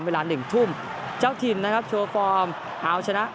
เวลาหนึ่งทุ่มเจ้าถิ่นนะครับโชว์ฟอร์มเอาชนะ